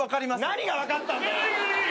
何が分かったんだよ！？